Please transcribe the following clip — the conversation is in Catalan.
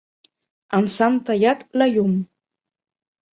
Ens han tallat la llum.